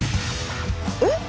えっ？